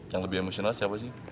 yang lebih emosional siapa sih